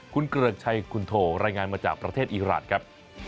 คุณเกริกชัยคุณโทรายงานมาจากประเทศอีรานครับ